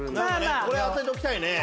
これ当てときたいね。